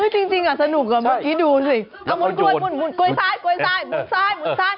จริงค่ะจริงอ่ะ